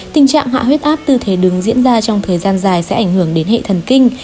tình trạng hạ huyết áp tư thế đứng diễn ra trong thời gian dài sẽ ảnh hưởng đến hệ thần kinh